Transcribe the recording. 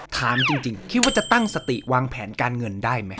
ถามจริงคิดว่าจะตั้งสติวางแผนการเงินได้ไหม